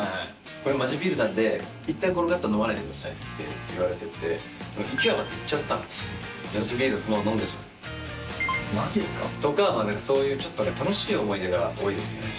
これまじビールなんで一旦このカット飲まないでくださいって言われてて勢い余っていっちゃったのビールそのまま飲んでマジっすかとかそういうちょっとね楽しい思い出が多いですねえ